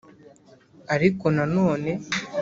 ariko nanone